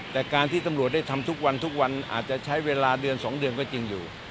แต่การที่ตำรวจได้ทำทุกวันทุกวันอาจจะใช้เวลาเดือน๒เดือนก็จริงอยู่